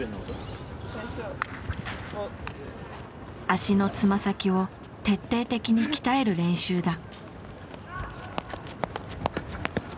足のつま先を徹底的に鍛える練習だ。